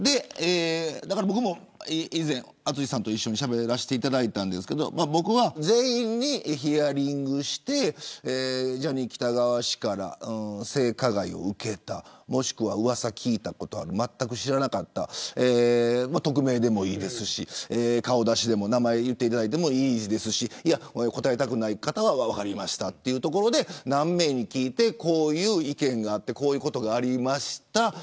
僕も以前淳さんと一緒にしゃべったんですが全員にヒアリングしてジャニー喜多川氏から性加害を受けたもしくはうわさを聞いたことあるまったく知らなかった匿名でもいいですし顔出しでも名前を言ってもいいですし答えたくない方は分かりましたというところで何名に聞いてこういう意見があってこういうことがありました。